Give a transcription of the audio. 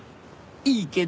いいけど。